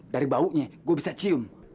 dari baunya gue bisa cium